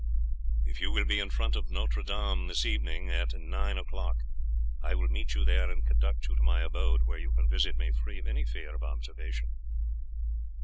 "If you will be in front of Notre Dame this evening at nine o'clock, I will meet you there and conduct you to my abode, where you can visit me free of any fear of observation."